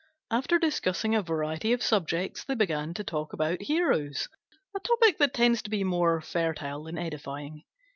After discussing a variety of subjects they began to talk about heroes, a topic that tends to be more fertile than edifying.